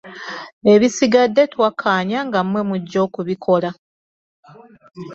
Ebisigadde twakkaanya nga mmwe mujja okubikola.